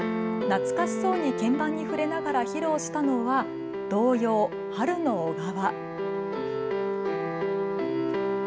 懐かしそうに鍵盤に触れながら披露したのは童謡、春の小川。